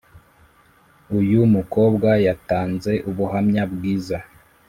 uyu mukobwa yatanze ubuhamya bwiza